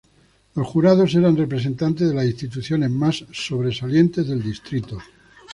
Los jurados eran representantes de las instituciones más sobresalientes del distrito.